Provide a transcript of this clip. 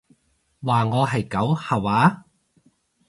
話我係狗吓話？